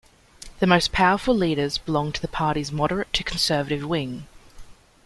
The most powerful leaders belonged to the party's moderate-to-conservative wing.